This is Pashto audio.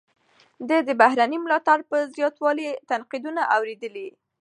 ده د بهرني ملاتړ پر زیاتوالي تنقیدونه اوریدلي.